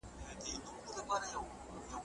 که نجونې سیمینار جوړ کړي نو زده کړه به نه وي کمه.